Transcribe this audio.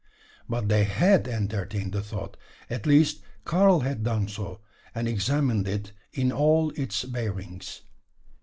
But they had entertained the thought at least, Karl had done so and examined it in all its bearings.